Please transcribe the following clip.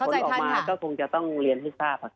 พอดีแล้วถ้าผลออกมาก็คงจะต้องเรียนให้ทราบ